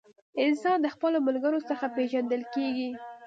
انسان د خپلو ملګرو څخه پیژندل کیږي.